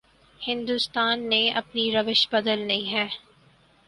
ہندوستان نے اپنی روش بدلنی ہے۔